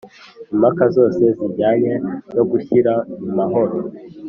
Impaka zose zijyanye no gushyira mumahoro